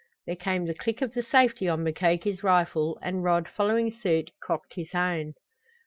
There came the click of the safety on Mukoki's rifle, and Rod, following suit, cocked his own.